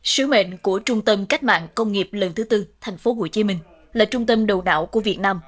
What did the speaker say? sứ mệnh của trung tâm cách mạng công nghiệp lần thứ tư tp hcm là trung tâm đầu đảo của việt nam